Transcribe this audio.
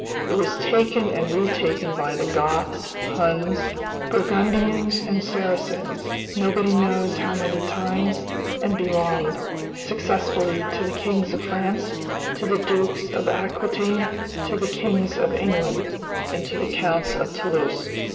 It was taken and retaken by the Goths, Huns, Burgundians, and Saracens, nobody knows how many times, and belonged, successively, to the kings of France, to the dukes of Aquitaine, to the kings of England, and to the counts of Toulouse.